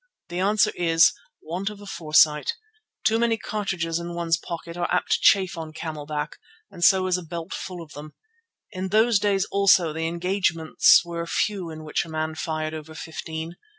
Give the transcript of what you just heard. The answer is, want of foresight. Too many cartridges in one's pocket are apt to chafe on camel back and so is a belt full of them. In those days also the engagements were few in which a man fired over fifteen.